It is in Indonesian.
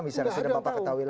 tidak ada yang tahu